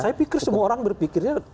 saya pikir semua orang berpikirnya